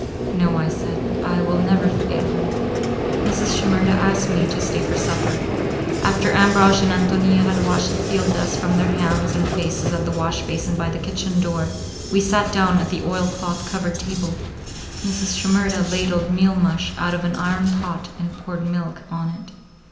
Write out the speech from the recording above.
"No," I said, "I will never forget him." Mrs. Shimerda asked me to stay for supper. After Ambrosch and Ántonia had washed the field dust from their hands and faces at the wash basin by the kitchen door, we sat down at the oilcloth covered table. Mrs. Shimerda ladled meal mush out of an iron pot and poured milk on it.